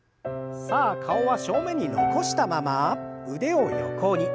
さあ顔は正面に残したまま腕を横に。